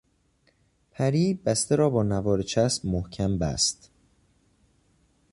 پری بسته را با نوار چسب محکم بست.